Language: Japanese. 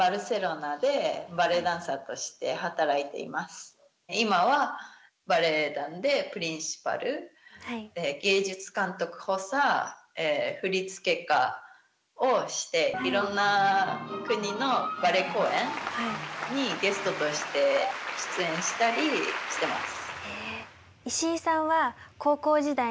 こちらの実は今はバレエ団でプリンシパル芸術監督補佐振付家をしていろんな国のバレエ公演にゲストとして出演したりしてます。